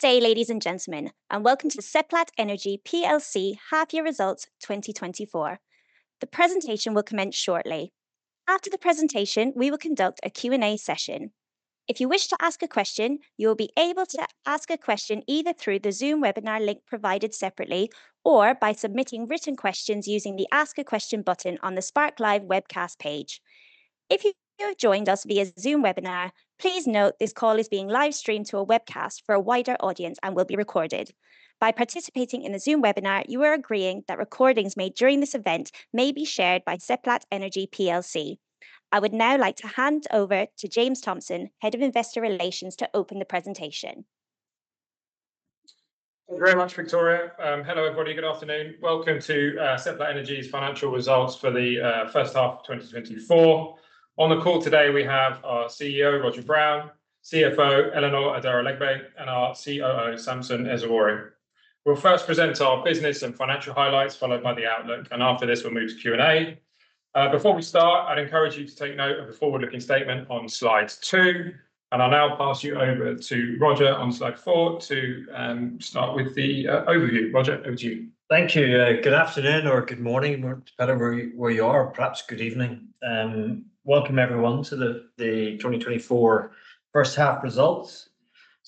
Today, ladies and gentlemen, and welcome to the Seplat Energy PLC Half-Year Results 2024. The presentation will commence shortly. After the presentation, we will conduct a Q&A session. If you wish to ask a question, you will be able to ask a question either through the Zoom webinar link provided separately or by submitting written questions using the Ask a Question button on the Spark Live webcast page. If you have joined us via Zoom webinar, please note this call is being live-streamed to a webcast for a wider audience and will be recorded. By participating in the Zoom webinar, you are agreeing that recordings made during this event may be shared by Seplat Energy PLC. I would now like to hand over to James Thompson, Head of Investor Relations, to open the presentation. Thank you very much, Victoria. Hello, everybody. Good afternoon. Welcome to Seplat Energy's financial results for the first half of 2024. On the call today, we have our CEO, Roger Brown, CFO, Eleanor Adaralegbe, and our COO, Samson Ezugworie. We'll first present our business and financial highlights, followed by the outlook, and after this, we'll move to Q&A. Before we start, I'd encourage you to take note of the forward-looking statement on slide two, and I'll now pass you over to Roger on slide four to start with the overview. Roger, over to you. Thank you. Good afternoon or good morning, depending on where you are, perhaps good evening. Welcome, everyone, to the 2024 first half results.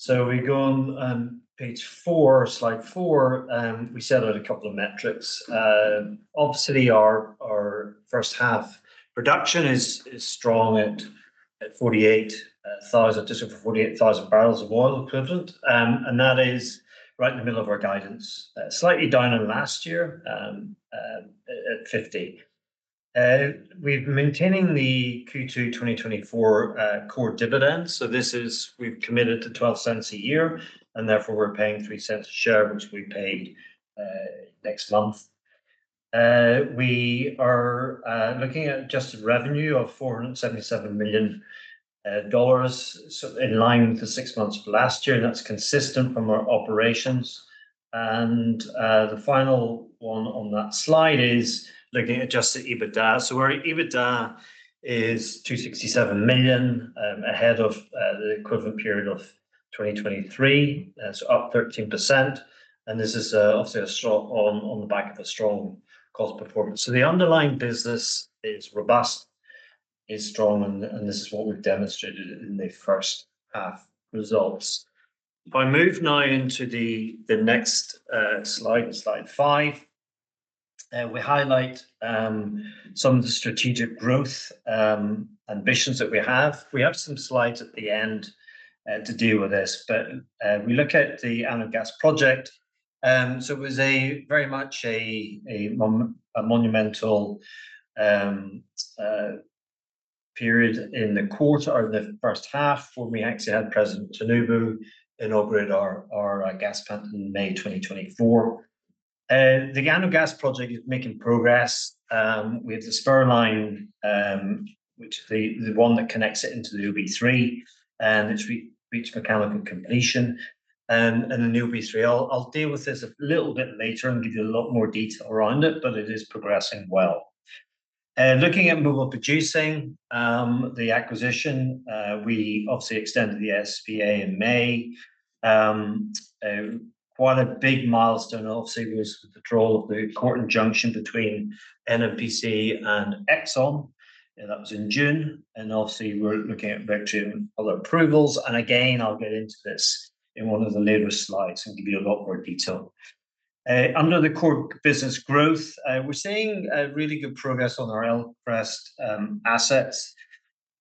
We go on page 4, slide 4, and we set out a couple of metrics. Obviously, our first half production is strong at 48,000, just over 48,000 barrels of oil equivalent, and that is right in the middle of our guidance, slightly down than last year at 50,000. We've been maintaining the Q2 2024 core dividends, so this is we've committed to $0.12 a year, and therefore we're paying $0.03 a share, which we paid next month. We are looking at just a revenue of $477 million in line with the six months of last year, and that's consistent from our operations. The final one on that slide is looking at just the EBITDA. So our EBITDA is $267 million ahead of the equivalent period of 2023, so up 13%. And this is obviously on the back of a strong cost performance. So the underlying business is robust, is strong, and this is what we've demonstrated in the first half results. If I move now into the next slide, slide 5, we highlight some of the strategic growth ambitions that we have. We have some slides at the end to deal with this, but we look at the ANOH gas project. So it was very much a monumental period in the quarter of the H1 when we actually had President Tinubu inaugurate our gas plant in May 2024. The ANOH gas project is making progress. We have the spur line, which is the one that connects it into the OB3, and it's reached mechanical completion and the OB3. I'll deal with this a little bit later and give you a lot more detail around it, but it is progressing well. Looking at Mobil Producing, the acquisition, we obviously extended the SPA in May. Quite a big milestone, obviously, was the withdrawal of the court injunction between NNPC and Exxon. That was in June. Obviously, we're looking at various other approvals. And again, I'll get into this in one of the later slides and give you a lot more detail. Under the core business growth, we're seeing really good progress on our upstream assets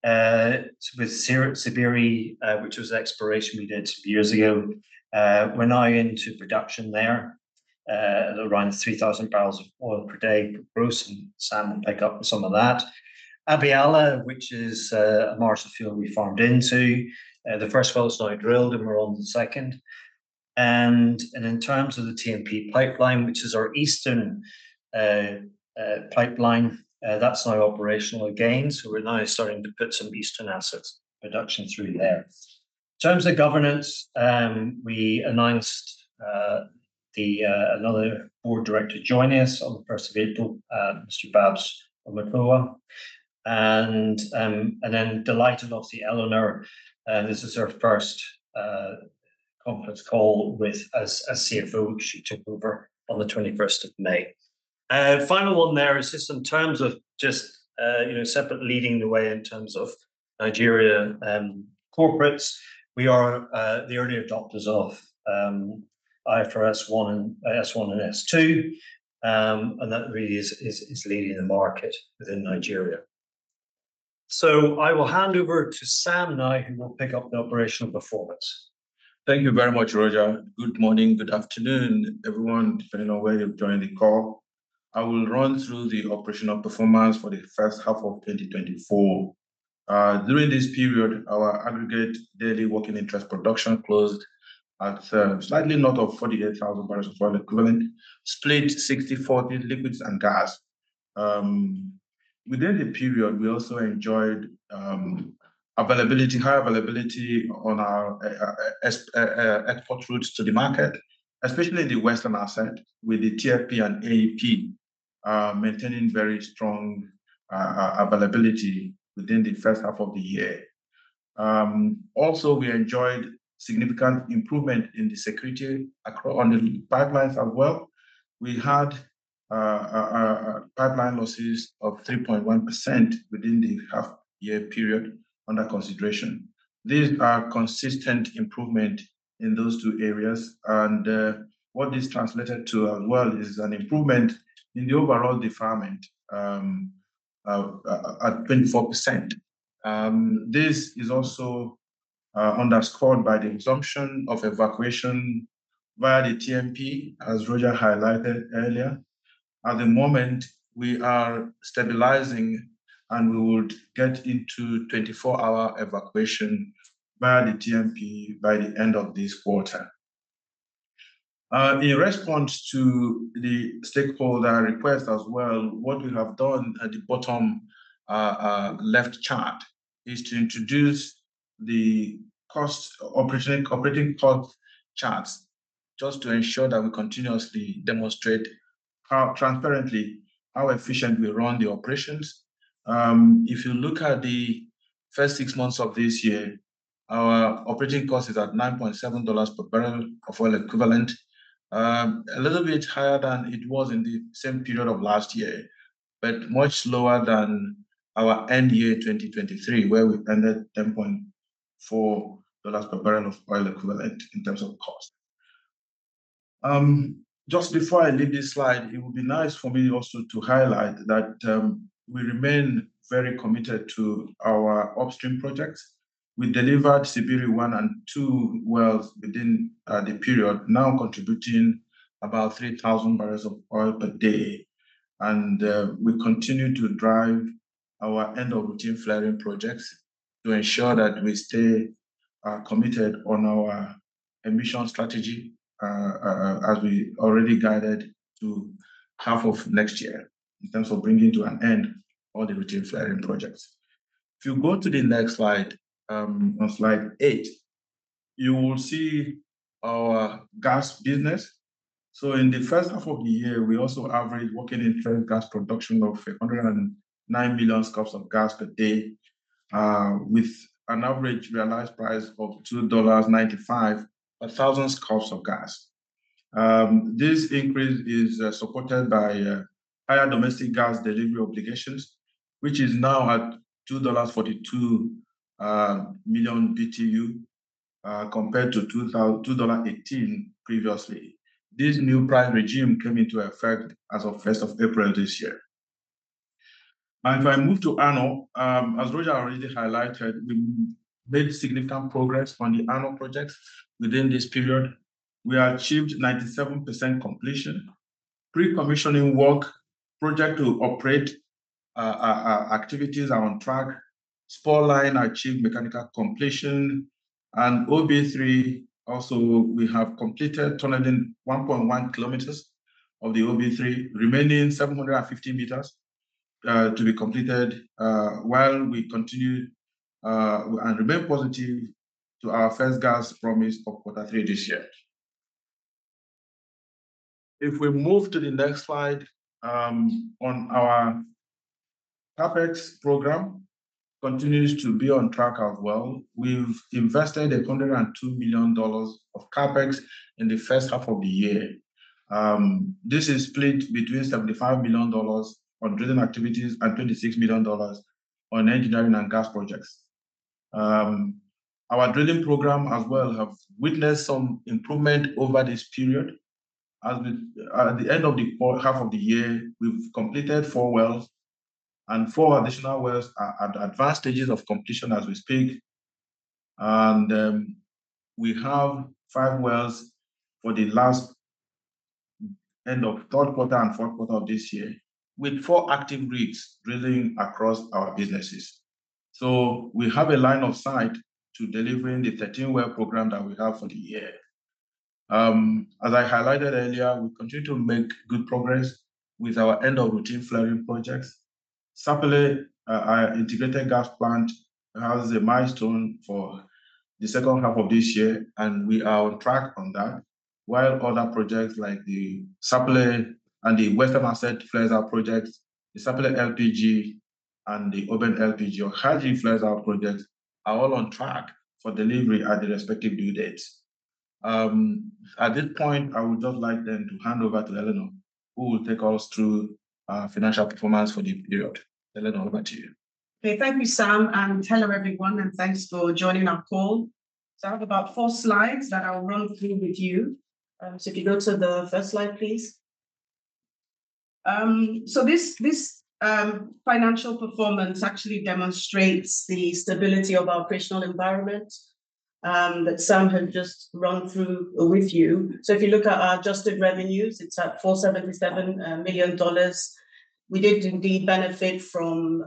with Sibiri, which was an exploration we did two years ago. We're now into production there, around 3,000 barrels of oil per day gross and Sam will pick up some of that. Abiala, which is a marginal field we farmed into. The first well is now drilled, and we're on the second. In terms of the TMP pipeline, which is our eastern pipeline, that's now operational again. We're now starting to put some eastern assets production through there. In terms of governance, we announced another board director joining us on the 1st of April, Mr. Babs Omotowa. Then delighted, obviously, Elenor. This is her first conference call with us as CFO, which she took over on the 21st of May. Final one there is just in terms of just Seplat leading the way in terms of Nigeria corporates, we are the early adopters of IFRS S1 and S2, and that really is leading the market within Nigeria. I will hand over to Sam now, who will pick up the operational performance. Thank you very much, Roger. Good morning, good afternoon, everyone, depending on where you're joining the call. I will run through the operational performance for the first half of 2024. During this period, our aggregate daily working interest production closed at slightly north of 48,000 barrels of oil equivalent, split 60/40 liquids and gas. Within the period, we also enjoyed high availability on our export routes to the market, especially the western asset with the TFP and AEP, maintaining very strong availability within the first half of the year. Also, we enjoyed significant improvement in the security on the pipelines as well. We had pipeline losses of 3.1% within the half-year period under consideration. These are consistent improvements in those two areas. And what this translated to as well is an improvement in the overall deferment at 24%. This is also underscored by the resumption of evacuation via the TMP, as Roger highlighted earlier. At the moment, we are stabilizing, and we would get into 24-hour evacuation via the TMP by the end of this quarter. In response to the stakeholder request as well, what we have done at the bottom left chart is to introduce the operating cost charts just to ensure that we continuously demonstrate transparently how efficient we run the operations. If you look at the first six months of this year, our operating cost is at $9.7 per barrel of oil equivalent, a little bit higher than it was in the same period of last year, but much lower than our end year 2023, where we ended at $10.4 per barrel of oil equivalent in terms of cost. Just before I leave this slide, it would be nice for me also to highlight that we remain very committed to our upstream projects. We delivered Sibiri 1 and 2 wells within the period, now contributing about 3,000 barrels of oil per day. We continue to drive our end-of-routine flaring projects to ensure that we stay committed on our emission strategy, as we already guided to half of next year in terms of bringing to an end all the routine flaring projects. If you go to the next slide, on slide 8, you will see our gas business. In the first half of the year, we also averaged our gas production of 109 million scf of gas per day with an average realized price of $2.95 per thousand scf of gas. This increase is supported by higher domestic gas delivery obligations, which is now at $2.42 per million BTU compared to $2.18 previously. This new price regime came into effect as of 1st of April this year. Now, if I move to ANOH, as Roger already highlighted, we made significant progress on the ANOH projects within this period. We achieved 97% completion. Pre-commissioning work, project to operate activities are on track. Spur line achieved mechanical completion. And OB3, also we have completed tunneling 1.1 kilometers of the OB3, remaining 750 meters to be completed while we continue and remain positive to our first gas promise for quarter three this year. If we move to the next slide on our CAPEX program, continues to be on track as well. We've invested $102 million of CAPEX in the first half of the year. This is split between $75 million on drilling activities and $26 million on engineering and gas projects. Our drilling program as well has witnessed some improvement over this period. At the end of the half of the year, we've completed four wells and four additional wells at advanced stages of completion as we speak. We have five wells for the last end of Q3 and Q4 of this year with four active rigs drilling across our businesses. We have a line of sight to delivering the 13-well program that we have for the year. As I highlighted earlier, we continue to make good progress with our end-of-routine flaring projects. Sapele Integrated Gas Plant has a milestone for the second half of this year, and we are on track on that. While other projects like the Sapele and the Western Asset Flares Out projects, the Sapele LPG and the Oben LPG or Haji Flares Out projects are all on track for delivery at the respective due dates. At this point, I would just like then to hand over to Eleanor, who will take us through financial performance for the period. Eleanor, over to you. Okay, thank you, Sam. Hello, everyone, and thanks for joining our call. So I have about four slides that I'll run through with you. So if you go to the first slide, please. So this financial performance actually demonstrates the stability of our operational environment that Sam had just run through with you. So if you look at our adjusted revenues, it's at $477 million. We did indeed benefit from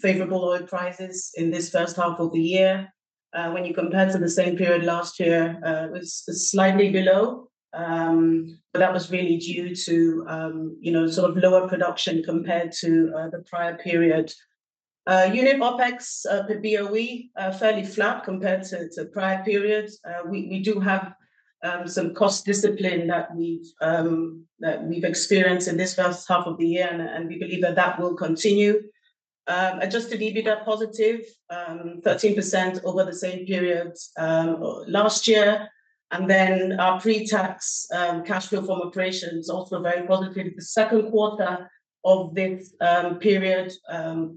favorable oil prices in this first half of the year. When you compare to the same period last year, it was slightly below. But that was really due to sort of lower production compared to the prior period. Unit OPEX per BOE, fairly flat compared to prior periods. We do have some cost discipline that we've experienced in this first half of the year, and we believe that that will continue. Adjusted EBITDA positive, 13% over the same period last year. And then our pre-tax cash flow from operations also very positive. The Q2 of this period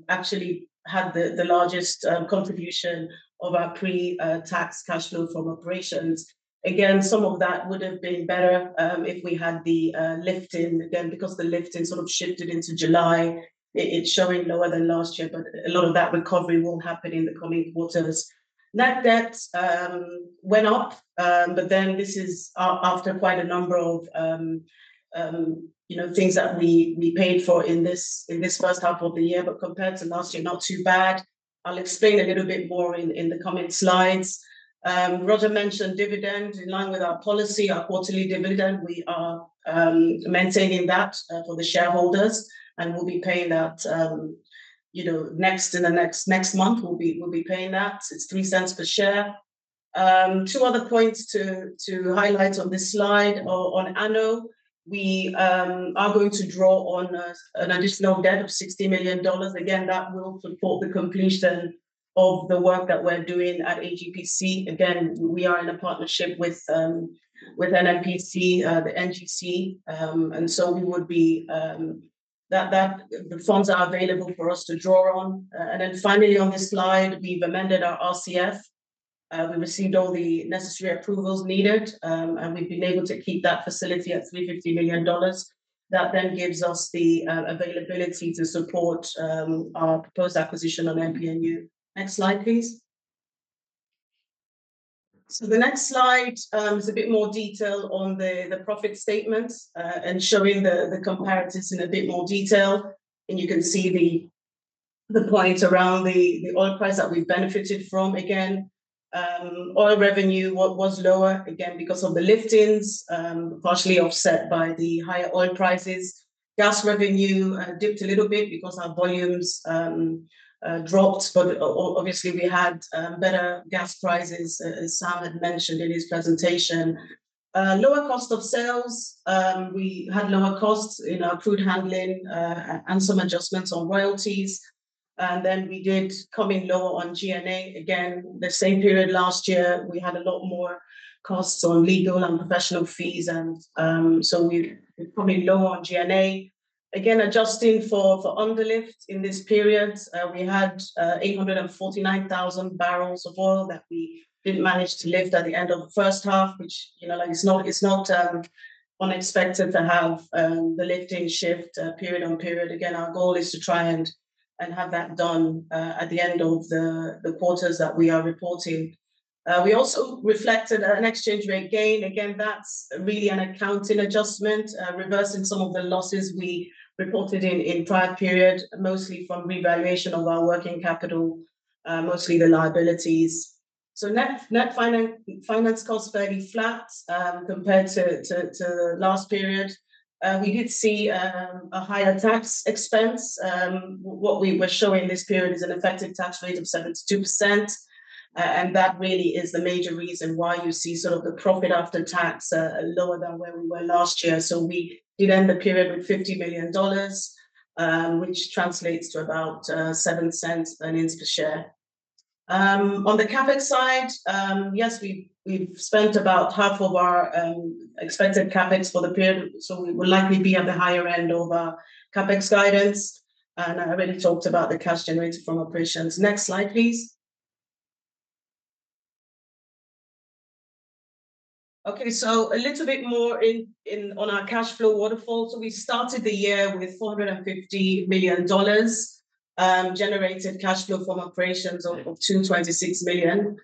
actually had the largest contribution of our pre-tax cash flow from operations. Again, some of that would have been better if we had the lift-in again, because the lift-in sort of shifted into July. It's showing lower than last year, but a lot of that recovery will happen in the coming quarters. Net debt went up, but then this is after quite a number of things that we paid for in this first half of the year, but compared to last year, not too bad. I'll explain a little bit more in the comment slides. Roger mentioned dividend. In line with our policy, our quarterly dividend, we are maintaining that for the shareholders, and we'll be paying that next in the next month. We'll be paying that. It's $0.03 per share. Two other points to highlight on this slide. On ANOH, we are going to draw on an additional debt of $60 million. Again, that will support the completion of the work that we're doing at AGPC. Again, we are in a partnership with NNPC, the NGC. And so we would say that the funds are available for us to draw on. And then finally, on this slide, we've amended our RCF. We received all the necessary approvals needed, and we've been able to keep that facility at $350 million. That then gives us the availability to support our proposed acquisition of MPNU. Next slide, please. So the next slide is a bit more detail on the profit statements and showing the comparisons in a bit more detail. And you can see the points around the oil price that we've benefited from. Again, oil revenue was lower, again, because of the liftings, partially offset by the higher oil prices. Gas revenue dipped a little bit because our volumes dropped, but obviously, we had better gas prices, as Sam had mentioned in his presentation. Lower cost of sales. We had lower costs in our crude handling and some adjustments on royalties. And then we did come in lower on G&A. Again, the same period last year, we had a lot more costs on legal and professional fees. And so we're coming lower on G&A. Again, adjusting for underlift in this period. We had 849,000 barrels of oil that we didn't manage to lift at the end of the first half, which it's not unexpected to have the liftings shift period-on-period. Again, our goal is to try and have that done at the end of the quarters that we are reporting. We also reflected an exchange rate gain. Again, that's really an accounting adjustment, reversing some of the losses we reported in prior period, mostly from revaluation of our working capital, mostly the liabilities. So net finance costs fairly flat compared to the last period. We did see a higher tax expense. What we were showing this period is an effective tax rate of 72%. And that really is the major reason why you see sort of the profit after tax lower than where we were last year. So we did end the period with $50 million, which translates to about $0.07 earnings per share. On the CAPEX side, yes, we've spent about half of our expected CAPEX for the period. So we will likely be at the higher end of our CAPEX guidance. And I already talked about the cash generated from operations. Next slide, please. Okay, so a little bit more on our cash flow waterfall. So we started the year with $450 million generated cash flow from operations of $226 million.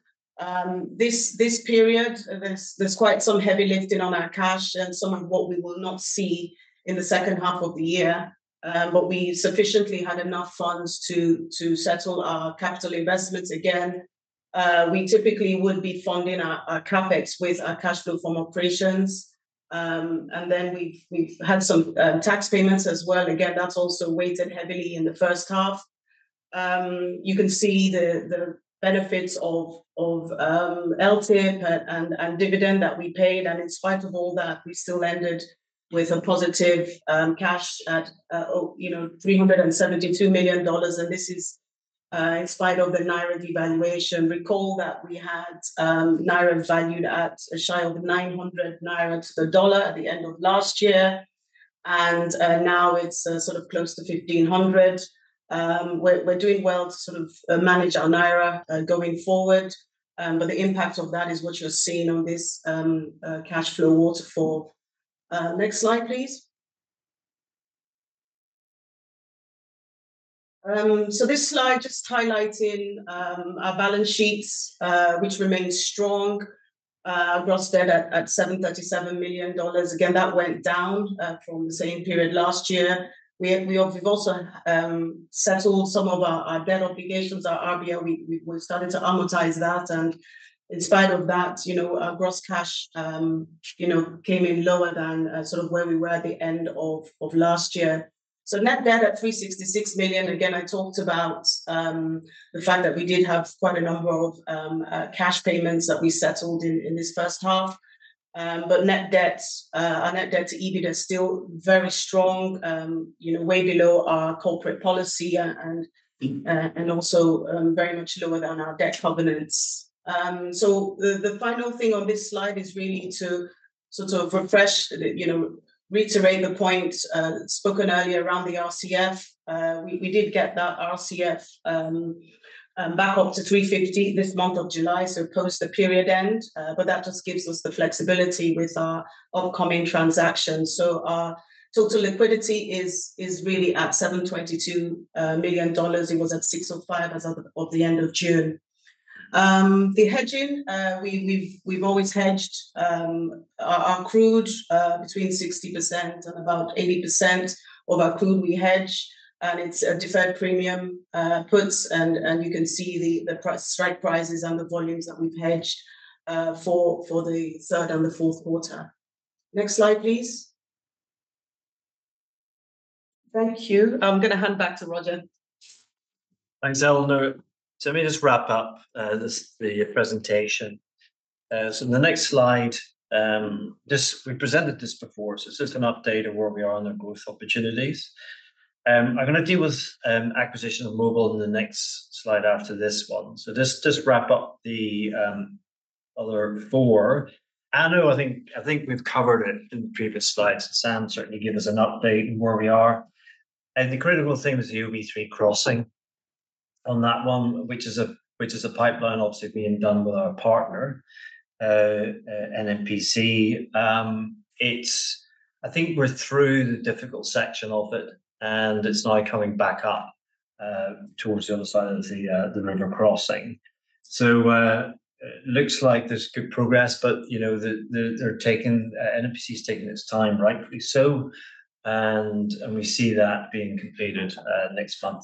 This period, there's quite some heavy lifting on our cash and some of what we will not see in the second half of the year. But we sufficiently had enough funds to settle our capital investments. Again, we typically would be funding our CAPEX with our cash flow from operations. And then we've had some tax payments as well. Again, that's also weighted heavily in the first half. You can see the benefits of LTIP and dividend that we paid. And in spite of all that, we still ended with a positive cash at $372 million. And this is in spite of the naira devaluation. Recall that we had Naira valued at a shy of $900 Naira to the dollar at the end of last year. Now it's sort of close to $1,500. We're doing well to sort of manage our Naira going forward. But the impact of that is what you're seeing on this cash flow waterfall. Next slide, please. This slide just highlighting our balance sheet, which remains strong across debt at $737 million. Again, that went down from the same period last year. We've also settled some of our debt obligations, our RBL. We've started to amortize that. And in spite of that, our gross cash came in lower than sort of where we were at the end of last year. So net debt at $366 million. Again, I talked about the fact that we did have quite a number of cash payments that we settled in this first half. But our net debt to EBITDA is still very strong, way below our corporate policy and also very much lower than our debt covenants. So the final thing on this slide is really to sort of refresh, reiterate the points spoken earlier around the RCF. We did get that RCF back up to $350 million this month of July, so post the period end. But that just gives us the flexibility with our upcoming transactions. So our total liquidity is really at $722 million. It was at $605 million at the end of June. The hedging, we've always hedged our crude between 60% and about 80% of our crude we hedge. And it's a deferred premium puts. And you can see the strike prices and the volumes that we've hedged for the Q3 and the Q4. Next slide, please. Thank you. I'm going to hand back to Roger. Thanks, Eleanor. So let me just wrap up the presentation. So the next slide, we presented this before. So it's just an update of where we are on our growth opportunities. I'm going to deal with acquisition of Mobil in the next slide after this one. So just wrap up the other four. ANOH, I think we've covered it in the previous slides. Sam certainly gave us an update on where we are. And the critical thing is the OB3 crossing on that one, which is a pipeline obviously being done with our partner, NNPC. I think we're through the difficult section of it, and it's now coming back up towards the other side of the river crossing. So it looks like there's good progress, but NNPC has taken its time rightfully so. And we see that being completed next month.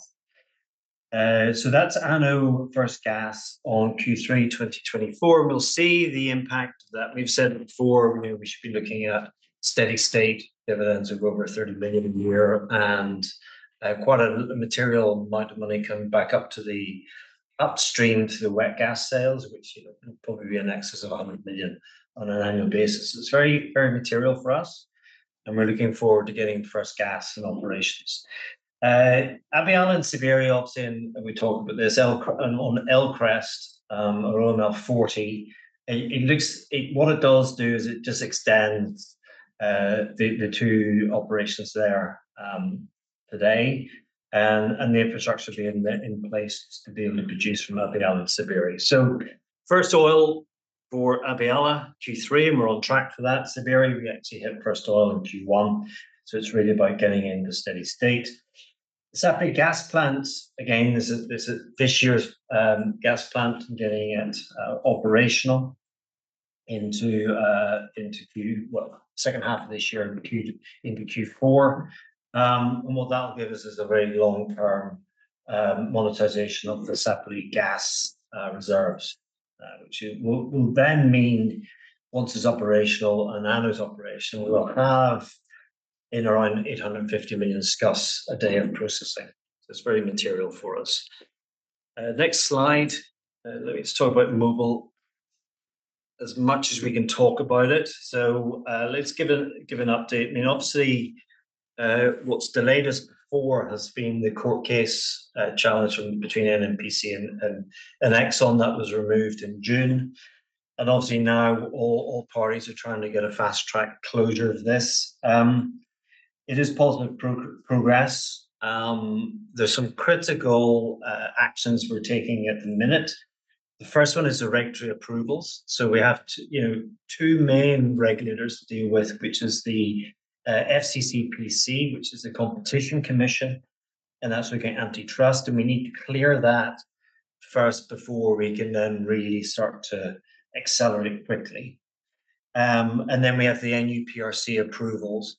So that's ANOH First Gas on Q3 2024. We'll see the impact that we've said before. We should be looking at steady state dividends of over $30 million a year. And quite a material amount of money coming back up to the upstream to the wet gas sales, which will probably be an excess of $100 million on an annual basis. It's very, very material for us. And we're looking forward to getting first gas and operations. Obiafu and Sibiri opt in, and we talked about this on Elcrest or OML 40. What it does do is it just extends the two operations there today. And the infrastructure being in place to be able to produce from Obiafu and Sibiri. So first oil for Obiafu Q3, and we're on track for that. Sibiri, we actually hit first oil in Q1. So it's really about getting into steady state. Sapele Gas Plant, again, this is this year's gas plant getting it operational into Q2, well, second half of this year into Q4. And what that will give us is a very long-term monetization of the Sapele gas reserves, which will then mean once it's operational and ANOH's operational, we'll have around 850 million scf/d of processing. So it's very material for us. Next slide. Let me just talk about Mobil as much as we can talk about it. So let's give an update. I mean, obviously, what's delayed us before has been the court case challenge between NNPC and Exxon that was removed in June. And obviously, now all parties are trying to get a fast-track closure of this. It is positive progress. There's some critical actions we're taking at the minute. The first one is the regulatory approvals. So we have two main regulators to deal with, which is the FCCPC, which is the Competition Commission. And that's looking at antitrust. And we need to clear that first before we can then really start to accelerate quickly. And then we have the NUPRC approvals,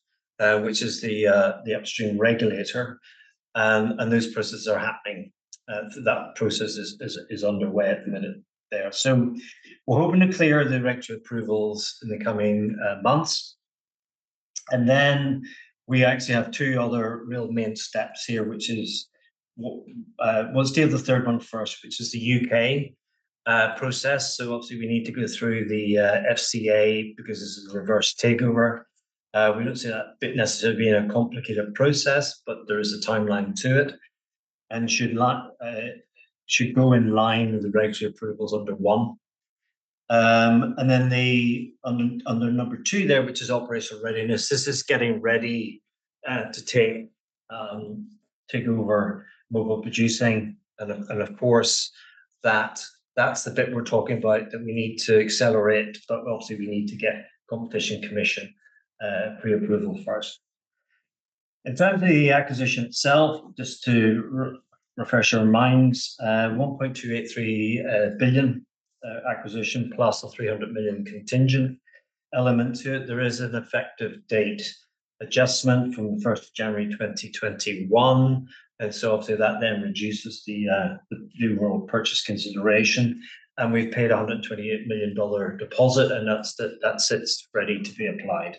which is the upstream regulator. And those processes are happening. That process is underway at the minute there. So we're hoping to clear the regulatory approvals in the coming months. And then we actually have two other real main steps here, which is we'll steal the third one first, which is the UK process. So obviously, we need to go through the FCA because this is a reverse takeover. We don't see that bit necessarily being a complicated process, but there is a timeline to it. And it should go in line with the regulatory approvals under one. Then under number 2 there, which is operational readiness, this is getting ready to take over Mobil Producing. And of course, that's the bit we're talking about that we need to accelerate. But obviously, we need to get Competition Commission pre-approval first. In terms of the acquisition itself, just to refresh your minds, $1.283 billion acquisition plus a $300 million contingent element to it. There is an effective date adjustment from the 1st of January 2021. And so obviously, that then reduces the overall purchase consideration. And we've paid a $128 million deposit, and that's ready to be applied.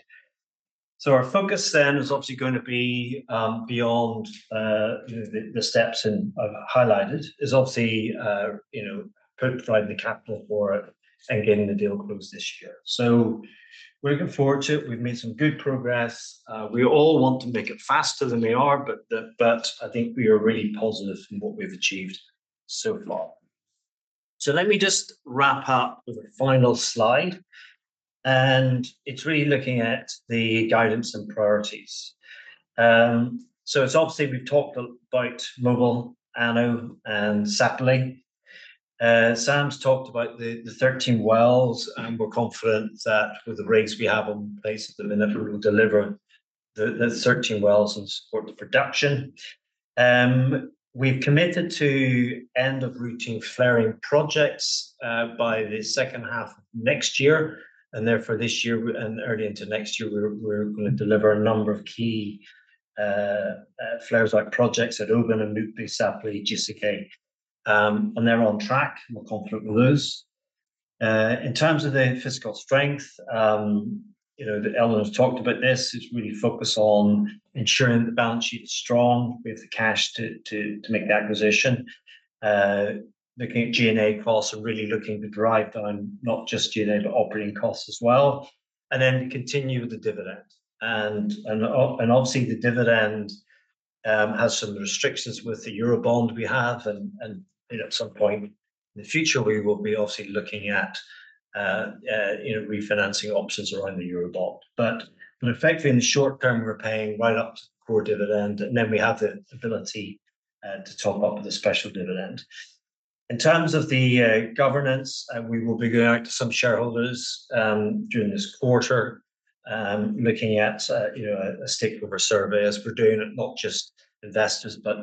So our focus then is obviously going to be beyond the steps I've highlighted is obviously providing the capital for it and getting the deal closed this year. So we're looking forward to it. We've made some good progress. We all want to make it faster than we are, but I think we are really positive in what we've achieved so far. So let me just wrap up with a final slide. And it's really looking at the guidance and priorities. So it's obviously we've talked about Mobil, ANOH, and Sapele. Sam's talked about the 13 wells. And we're confident that with the rigs we have in place at the minute, we will deliver the 13 wells and support the production. We've committed to end-of-routine flaring projects by the second half of next year. And therefore, this year and early into next year, we're going to deliver a number of key flares-out projects at Oben and Mbuke, Sapele, GCK. And they're on track. We're confident with those. In terms of the financial strength, Eleanor's talked about this. It's really focused on ensuring the balance sheet is strong. We have the cash to make the acquisition. Looking at G&A costs and really looking to drive down not just G&A, but operating costs as well. Then continue with the dividend. Obviously, the dividend has some restrictions with the Eurobond we have. At some point in the future, we will be obviously looking at refinancing options around the Eurobond. But effectively, in the short term, we're paying right up to the core dividend. Then we have the ability to top up with a special dividend. In terms of the governance, we will be going out to some shareholders during this quarter, looking at a stakeholder survey as we're doing it, not just investors, but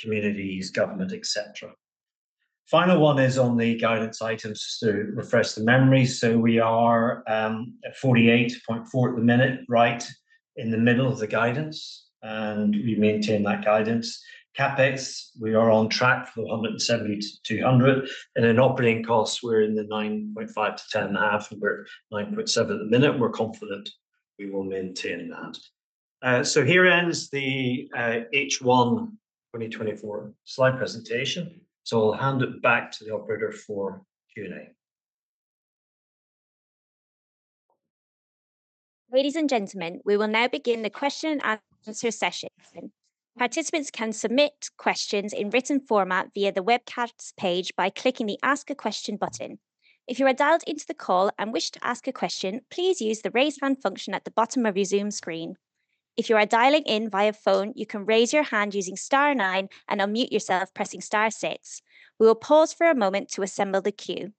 communities, government, etc. Final one is on the guidance items to refresh the memory. So we are at 48.4 at the minute, right in the middle of the guidance. We maintain that guidance. CAPEX, we are on track for the $170-$200. In operating costs, we're in the $9.5-$10.5. We're $9.7 at the minute. We're confident we will maintain that. So here ends the H1 2024 slide presentation. So I'll hand it back to the operator for Q&A. Ladies and gentlemen, we will now begin the question and answer session. Participants can submit questions in written format via the webcast page by clicking the Ask a Question button. If you are dialed into the call and wish to ask a question, please use the raise hand function at the bottom of your Zoom screen. If you are dialing in via phone, you can raise your hand using star nine and unmute yourself pressing star six. We will pause for a moment to assemble the queue.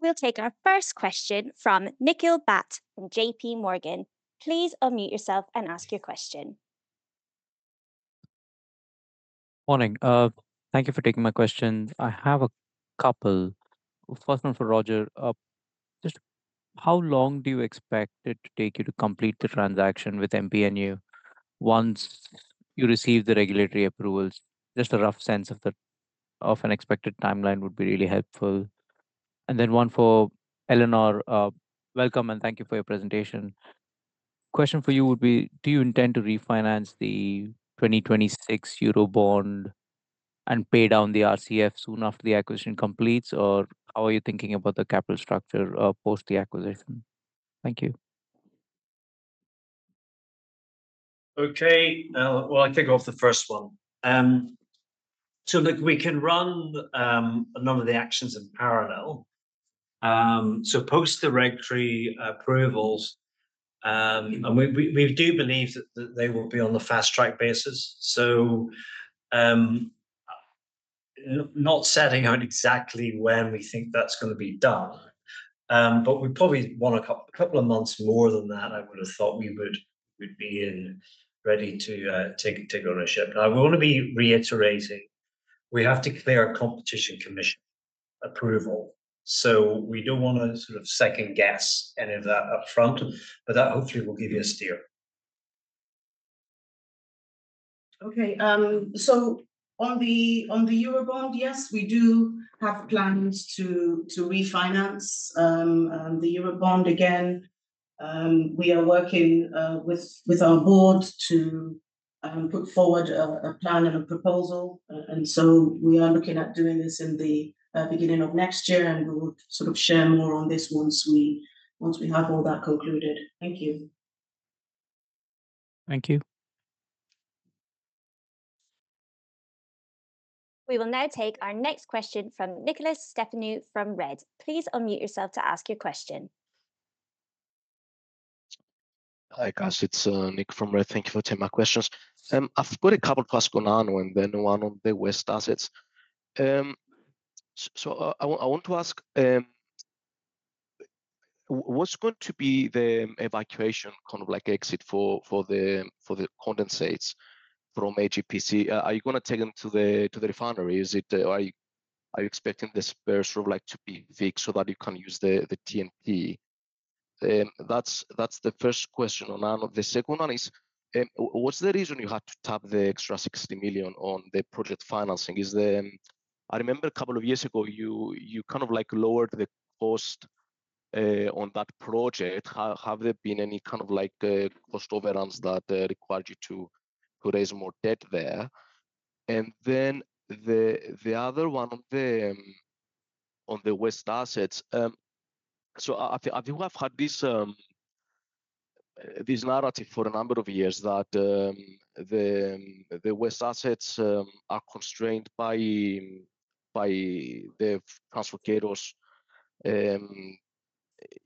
We'll take our first question from Nikhil Bhat and J.P. Morgan. Please unmute yourself and ask your question. Morning. Thank you for taking my question. I have a couple. First one for Roger. Just how long do you expect it to take you to complete the transaction with MPNU once you receive the regulatory approvals? Just a rough sense of an expected timeline would be really helpful. And then one for Eleanor. Welcome and thank you for your presentation. Question for you would be, do you intend to refinance the 2026 Eurobond and pay down the RCF soon after the acquisition completes? Or how are you thinking about the capital structure post the acquisition? Thank you. Okay. Well, I'll take off the first one. So look, we can run a number of the actions in parallel. So post the regulatory approvals, and we do believe that they will be on the fast track basis. So not setting out exactly when we think that's going to be done, but we probably want a couple of months more than that. I would have thought we would be ready to take ownership. Now, we want to be reiterating, we have to clear a Competition Commission approval. So we don't want to sort of second guess any of that upfront, but that hopefully will give you a steer. Okay. On the Eurobond, yes, we do have plans to refinance the Eurobond again. We are working with our board to put forward a plan and a proposal. We are looking at doing this in the beginning of next year, and we will sort of share more on this once we have all that concluded. Thank you. Thank you. We will now take our next question from Nikolas Stefanou from Redd. Please unmute yourself to ask your question. Hi, guys. It's Nick from Redd. Thank you for taking my questions. I've got a couple of asks going on, and then one on the West assets. So I want to ask, what's going to be the evacuation kind of exit for the condensates from AGPC? Are you going to take them to the refinery? Are you expecting the spare sort of to be fixed so that you can use the TNP? That's the first question. And the second one is, what's the reason you had to tap the extra $60 million on the project financing? I remember a couple of years ago, you kind of lowered the cost on that project. Have there been any kind of cost overruns that required you to raise more debt there? And then the other one on the West assets. So I think we've had this narrative for a number of years that the Western assets are constrained by the transporters, I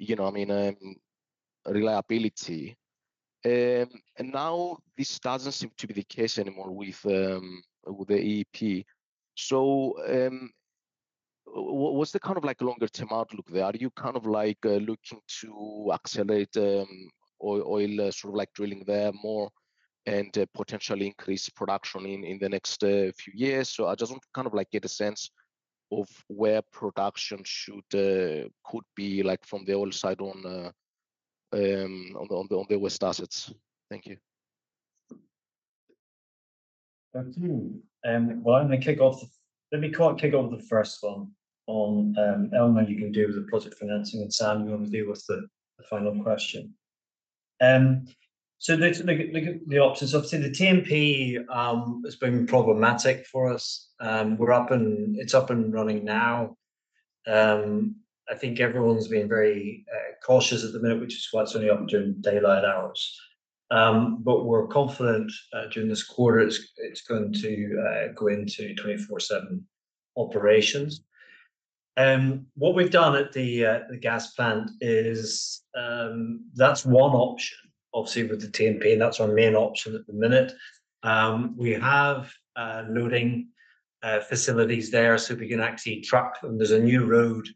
mean, reliability. And now this doesn't seem to be the case anymore with the EEP. So what's the kind of longer-term outlook there? Are you kind of looking to accelerate oil sort of drilling there more and potentially increase production in the next few years? So I just want to kind of get a sense of where production could be from the oil side on the Western assets. Thank you. Thank you. Let me kick off the first one on Eleanor, you can deal with the project financing. And Sam, you want to deal with the final question. So the options, obviously, the TNP has been problematic for us. It's up and running now. I think everyone's been very cautious at the minute, which is why it's only up during daylight hours. But we're confident during this quarter, it's going to go into 24/7 operations. What we've done at the gas plant is that's one option, obviously, with the TNP, and that's our main option at the minute. We have loading facilities there so we can actually truck. And there's a new road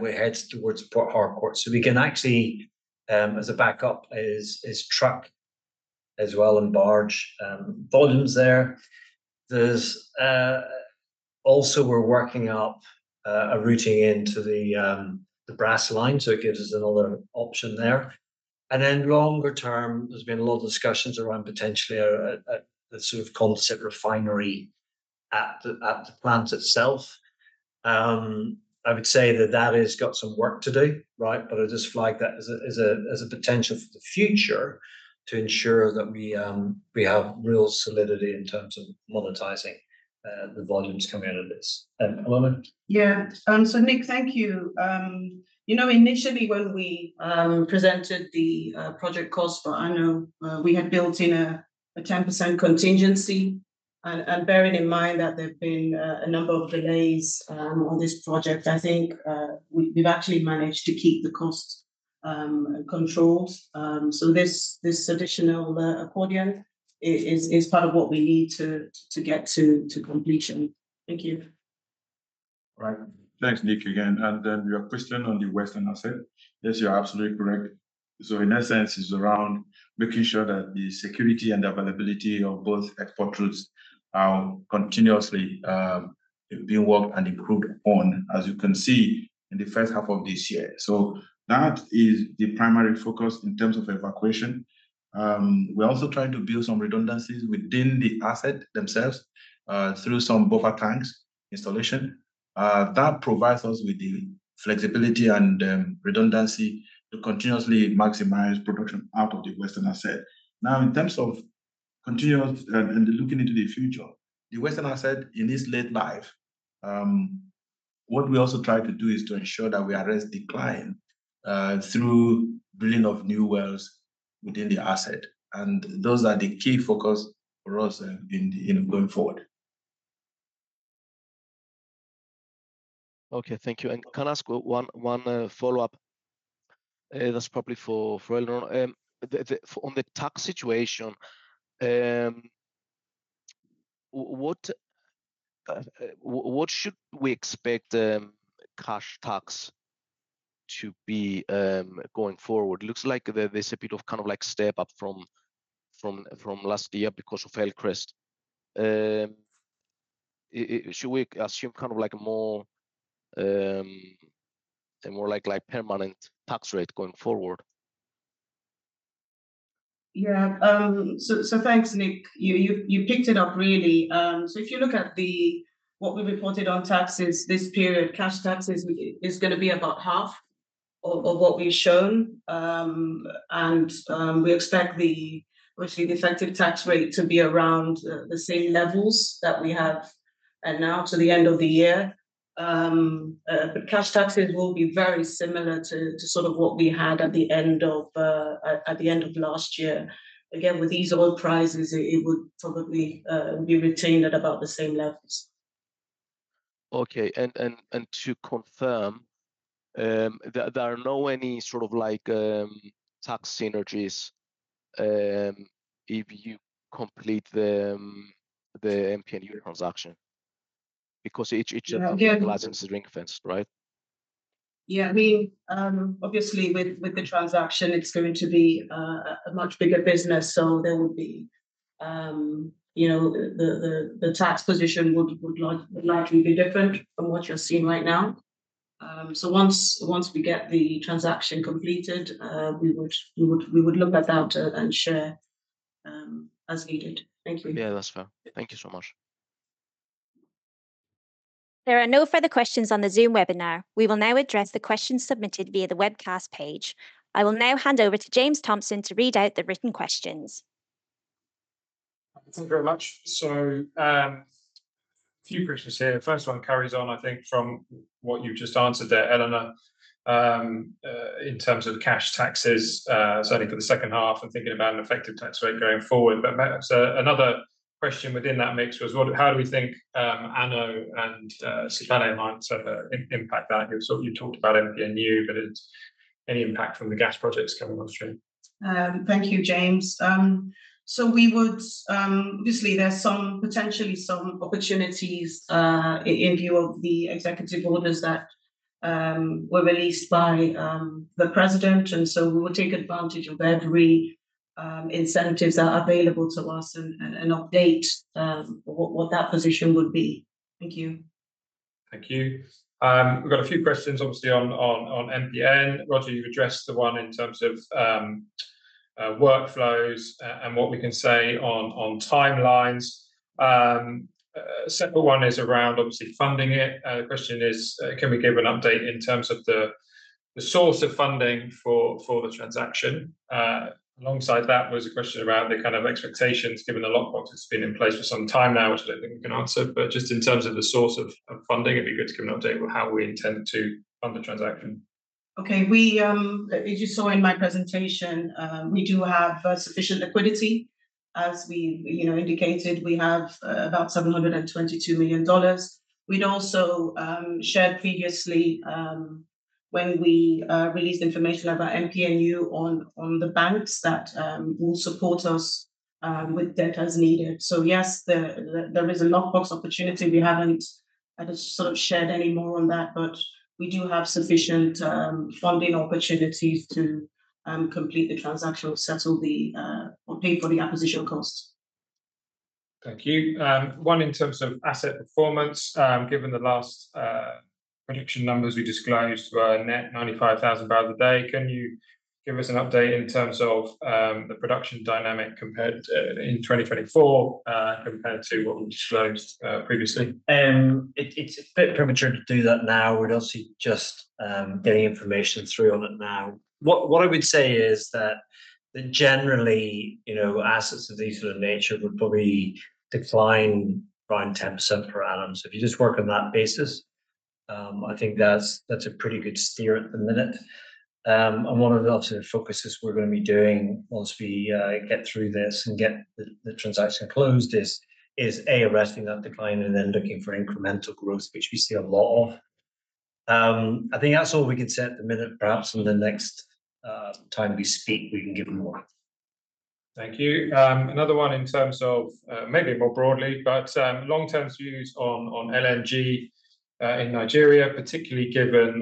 we head towards Port Harcourt. So we can actually, as a backup, is truck as well and barge volumes there. Also, we're working up a routing into the OB3 line, so it gives us another option there. And then longer term, there's been a lot of discussions around potentially a sort of concept refinery at the plant itself. I would say that that has got some work to do, right? But I just flag that as a potential for the future to ensure that we have real solidity in terms of monetizing the volumes coming out of this. Yeah. So Nick, thank you. Initially, when we presented the project cost for ANOH, we had built in a 10% contingency. And bearing in mind that there have been a number of delays on this project, I think we've actually managed to keep the cost controlled. So this additional accordion is part of what we need to get to completion. Thank you. All right. Thanks, Nick, again. And then your question on the Western asset, yes, you're absolutely correct. So in that sense, it's around making sure that the security and availability of both export routes are continuously being worked and improved on, as you can see in the first half of this year. So that is the primary focus in terms of evacuation. We're also trying to build some redundancies within the asset themselves through some buffer tanks installation. That provides us with the flexibility and redundancy to continuously maximize production out of the Western asset. Now, in terms of continuous and looking into the future, the Western asset in its late life, what we also try to do is to ensure that we arrest decline through drilling of new wells within the asset. And those are the key focus for us going forward. Okay. Thank you. And can I ask one follow-up? That's probably for Elenor. On the tax situation, what should we expect cash tax to be going forward? It looks like there's a bit of kind of step up from last year because of Elcrest. Should we assume kind of a more permanent tax rate going forward? Yeah. So thanks, Nick. You picked it up, really. So if you look at what we reported on taxes this period, cash taxes is going to be about half of what we've shown. And we expect the effective tax rate to be around the same levels that we have now to the end of the year. But cash taxes will be very similar to sort of what we had at the end of last year. Again, with these oil prices, it would probably be retained at about the same levels. Okay. And to confirm, there are no any sort of tax synergies if you complete the MPNU transaction? Because each license is ring-fenced, right? Yeah. I mean, obviously, with the transaction, it's going to be a much bigger business. So there would be the tax position would likely be different from what you're seeing right now. So once we get the transaction completed, we would look at that and share as needed. Thank you. Yeah, that's fair. Thank you so much. There are no further questions on the Zoom webinar. We will now address the questions submitted via the webcast page. I will now hand over to James Thompson to read out the written questions. Thank you very much. So a few questions here. First one carries on, I think, from what you've just answered there, Elenor, in terms of cash taxes, certainly for the second half and thinking about an effective tax rate going forward. But another question within that mix was, how do we think ANOH and Sibiri might impact that? You talked about MPNU, but any impact from the gas projects coming on stream? Thank you, James. Obviously, there's potentially some opportunities in view of the executive orders that were released by the president. And so we will take advantage of every incentive that's available to us and update what that position would be. Thank you. Thank you. We've got a few questions, obviously, on MPNU. Roger, you've addressed the one in terms of workflows and what we can say on timelines. A separate one is around, obviously, funding it. The question is, can we give an update in terms of the source of funding for the transaction? Alongside that was a question around the kind of expectations given the lockbox that's been in place for some time now, which I don't think we can answer. But just in terms of the source of funding, it'd be good to give an update of how we intend to fund the transaction. Okay. As you saw in my presentation, we do have sufficient liquidity. As we indicated, we have about $722 million. We'd also shared previously when we released information about MPNU on the banks that will support us with debt as needed. So yes, there is a lockbox opportunity. We haven't sort of shared any more on that, but we do have sufficient funding opportunities to complete the transaction or pay for the acquisition cost. Thank you. One in terms of asset performance, given the last production numbers we disclosed were net 95,000 a day, can you give us an update in terms of the production dynamic in 2024 compared to what we disclosed previously? It's a bit premature to do that now. We're obviously just getting information through on it now. What I would say is that generally, assets of these sort of nature would probably decline by 10% per annum. So if you just work on that basis, I think that's a pretty good steer at the minute. And one of the focuses we're going to be doing once we get through this and get the transaction closed is, A, arresting that decline and then looking for incremental growth, which we see a lot of. I think that's all we can say at the minute. Perhaps in the next time we speak, we can give more. Thank you. Another one in terms of maybe more broadly, but long-term views on LNG in Nigeria, particularly given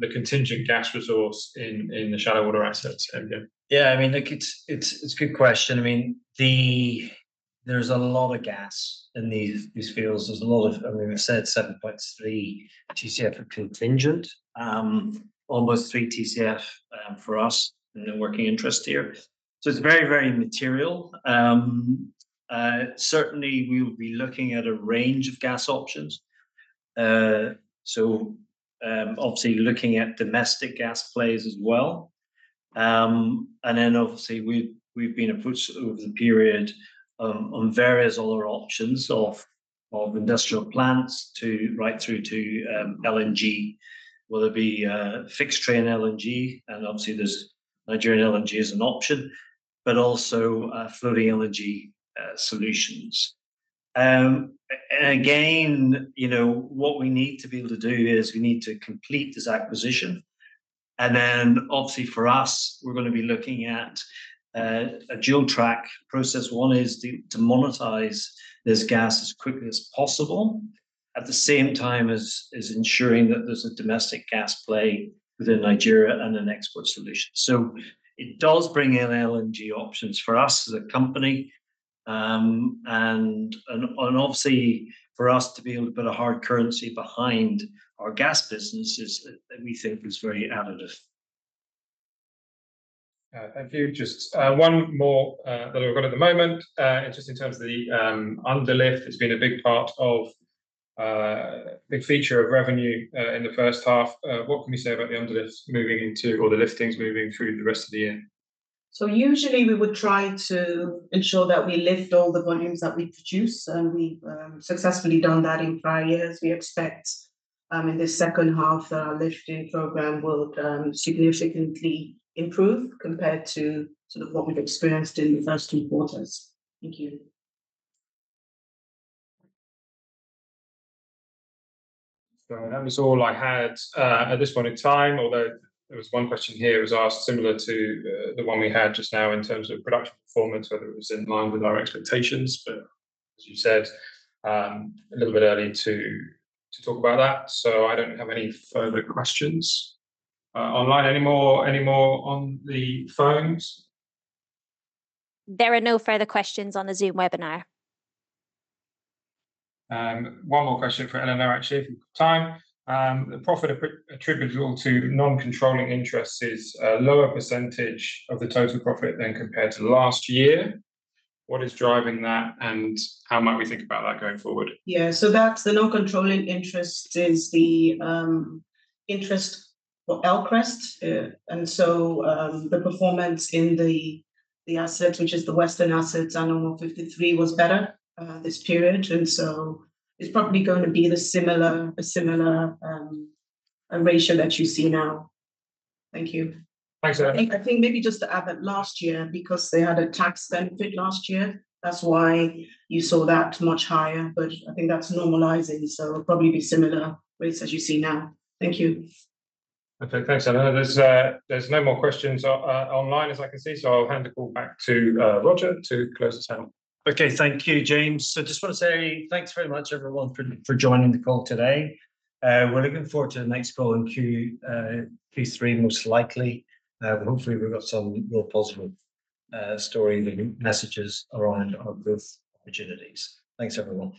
the contingent gas resource in the shallow water assets. Yeah. I mean, it's a good question. I mean, there's a lot of gas in these fields. There's a lot of, I mean, I said 7.3 TCF of contingent, almost 3 TCF for us in the working interest here. So it's very, very material. Certainly, we will be looking at a range of gas options. So obviously, looking at domestic gas plays as well. And then obviously, we've been approached over the period on various other options of industrial plants right through to LNG, whether it be fixed train LNG, and obviously, Nigerian LNG is an option, but also floating LNG solutions. And again, what we need to be able to do is we need to complete this acquisition. And then obviously, for us, we're going to be looking at a dual track process. One is to monetize this gas as quickly as possible at the same time as ensuring that there's a domestic gas play within Nigeria and an export solution. So it does bring in LNG options for us as a company. And obviously, for us to be able to put a hard currency behind our gas businesses, we think is very additive. Thank you. Just one more that we've got at the moment, just in terms of the underlift. It's been a big part of a big feature of revenue in the first half. What can we say about the underlift moving into or the liftings moving through the rest of the year? Usually, we would try to ensure that we lift all the volumes that we produce. We've successfully done that in prior years. We expect in the second half, our lifting program will significantly improve compared to sort of what we've experienced in the first Q2. Thank you. That is all I had at this point in time, although there was one question here that was asked similar to the one we had just now in terms of production performance, whether it was in line with our expectations. But as you said, a little bit early to talk about that. So I don't have any further questions online anymore on the phones. There are no further questions on the Zoom webinar. One more question for Elenor, actually, if you have time. The profit attributable to non-controlling interest is a lower percentage of the total profit than compared to last year. What is driving that, and how might we think about that going forward? Yeah. So the non-controlling interest is the interest for Elcrest. And so the performance in the assets, which is the Western assets, ANOH 53 was better this period. And so it's probably going to be a similar ratio that you see now. Thank you. Thanks, Eleanor. I think maybe just to add that last year, because they had a tax benefit last year, that's why you saw that much higher. But I think that's normalizing. So it'll probably be similar rates as you see now. Thank you. Okay. Thanks, Eleanor. There's no more questions online, as I can see. I'll hand the call back to Roger to close this handle. Okay. Thank you, James. So just want to say thanks very much, everyone, for joining the call today. We're looking forward to the next call in Q3, most likely. Hopefully, we've got some real positive story and messages around both opportunities. Thanks, everyone.